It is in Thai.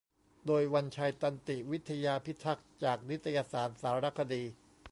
โดย วันชัย ตันติวิทยาพิทักษ์ จากนิตยสาร สารคดี